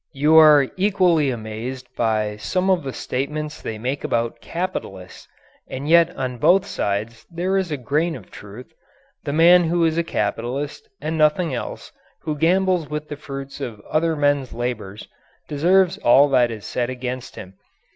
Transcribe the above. You are equally amazed by some of the statements they make about "capitalists." And yet on both sides there is a grain of truth. The man who is a capitalist and nothing else, who gambles with the fruits of other men's labours, deserves all that is said against him.